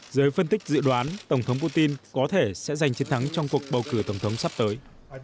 giới phân tích dự đoán tổng thống putin có thể sẽ giành chiến thắng trong cuộc bầu cử tổng thống sắp tới